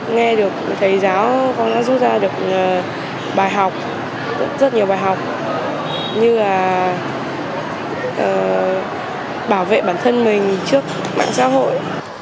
nghe được thầy giáo con đã rút ra được bài học rất nhiều bài học như là bảo vệ bản thân mình trước mạng xã hội